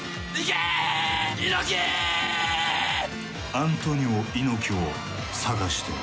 アントニオ猪木を探して。